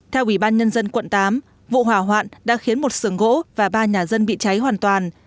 theo ubnd quận tám vụ hỏa hoạn đã khiến một sườn gỗ và ba nhà dân bị cháy hoàn toàn